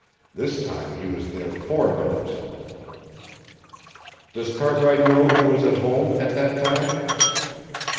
This time he was there four minutes." "Does Cartwright know who was at home at that time?"